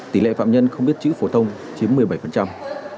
tỷ lệ phạm nhân không biết chữ phổ thông chiếm một mươi bảy